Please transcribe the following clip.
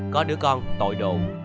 có đứa con tội độ